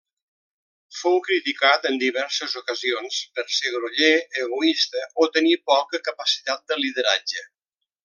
Fou criticat en diverses ocasions per ser groller, egoista o tenir poca capacitat de lideratge.